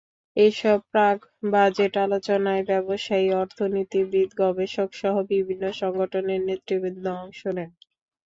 এসব প্রাক্-বাজেট আলোচনায় ব্যবসায়ী, অর্থনীতিবিদ, গবেষকসহ বিভিন্ন সংগঠনের নেতৃবৃন্দ অংশ নেন।